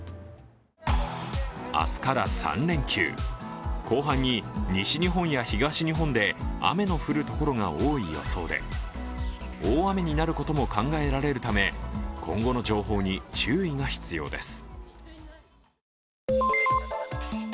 明日から３連休、後半に西日本や東日本で雨の降る所が多い予想で大雨になることも考えられるため今後の情報に注意が必要です。